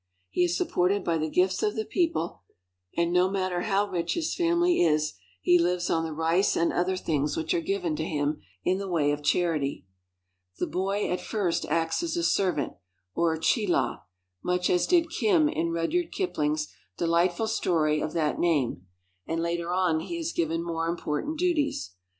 He is supported by the gifts of the people, and no matter how rich his family is, he lives on the rice and other things which are given to him in the way of charity. The boy at first acts as a servant, or chelah, much as did " Kim " in Rudyard Kipling's delightful story of that name, and later on he is given more important duties.